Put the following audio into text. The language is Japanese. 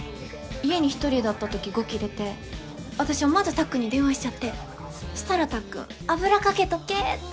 家に１人だったときゴキ出て私思わずたっくんに電話しちゃってしたらたっくん油かけとけって。